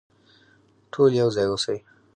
ټول يو ځای اوسئ.